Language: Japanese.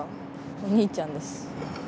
お兄ちゃんです。